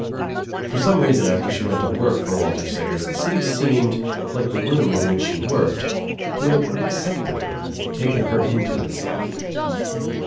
For some reason after she went to work, for Walter Sayers the city seemed, like the room in which she worked, to have accepted her, taken her into itself.